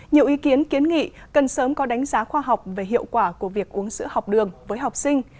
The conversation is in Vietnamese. nhiều ý kiến kiến nghị cần sớm có đánh giá khoa học về hiệu quả của việc uống sữa học đường với học sinh